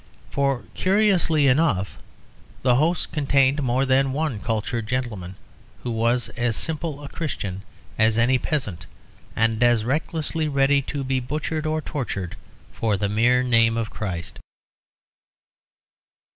For curiously enough, the host contained more than one cultured gentleman who was as simple a Christian as any peasant, and as recklessly ready to be butchered or tortured for the mere name of Christ.